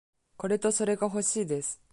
これとそれがほしいです。